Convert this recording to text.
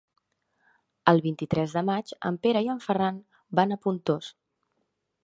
El vint-i-tres de maig en Pere i en Ferran van a Pontós.